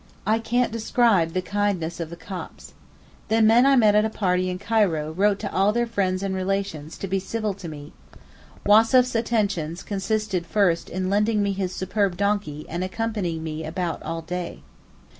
I can't describe the kindness of the Copts. The men I met at a party in Cairo wrote to all their friends and relations to be civil to me. Wassef's attentions consisted first in lending me his superb donkey and accompanying me about all day.